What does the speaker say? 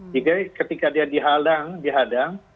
jika ketika dia dihadang dihadang